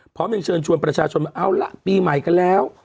พร้อมยังเชิญชวนประชาชนมาเอาละปีใหม่กันแล้ว